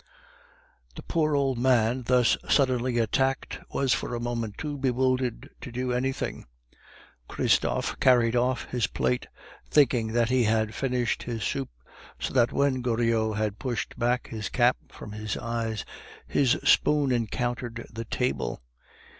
The poor old man thus suddenly attacked was for a moment too bewildered to do anything. Christophe carried off his plate, thinking that he had finished his soup, so that when Goriot had pushed back his cap from his eyes his spoon encountered the table.